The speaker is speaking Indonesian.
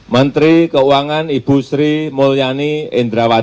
menteri keuangan ibu sri mulyani indrawati